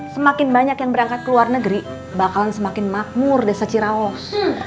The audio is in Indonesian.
semakin banyak yang berangkat ke luar negeri bakalan semakin makmur desa cirawas